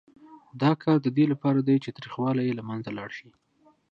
دا کار د دې لپاره دی چې تریخوالی یې له منځه لاړ شي.